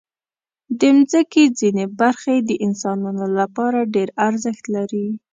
د مځکې ځینې برخې د انسانانو لپاره ډېر ارزښت لري.